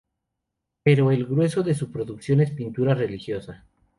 Pero el grueso de su producción es pintura religiosa.